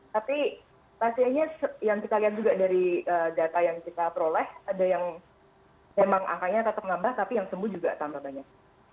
tapi pasiennya yang kita lihat juga dari data yang kita peroleh ada yang memang angkanya tetap nambah tapi yang sembuh juga tambah banyak